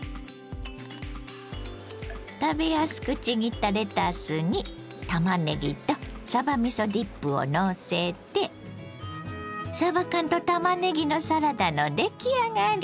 食べやすくちぎったレタスにたまねぎとさばみそディップをのせてさば缶とたまねぎのサラダの出来上がり。